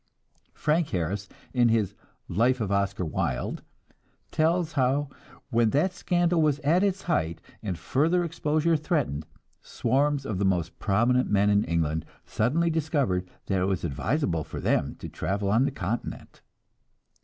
Frank Harris, in his "Life of Oscar Wilde," tells how when that scandal was at its height, and further exposure threatened, swarms of the most prominent men in England suddenly discovered that it was advisable for them to travel on the Continent.